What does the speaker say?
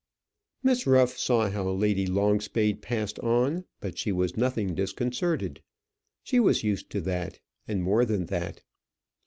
Miss Ruff saw how Lady Longspade passed on, but she was nothing disconcerted. She was used to that, and more than that.